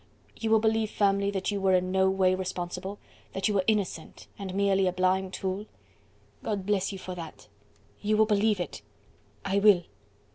you will believe firmly that you were in no way responsible?... that you were innocent.. and merely a blind tool?..." "God bless you for that!" "You will believe it?" "I will."